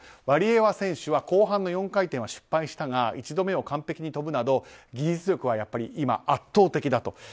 ワリエワ選手は後半の４回転は失敗したが１度目を完璧に跳ぶなど技術力は今圧倒的だと。